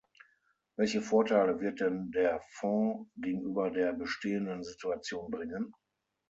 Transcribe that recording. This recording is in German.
Welche Vorteile wird denn der Fonds gegenüber der bestehenden Situation bringen?